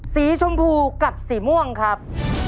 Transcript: สีชมพูกับสีม่วงครับ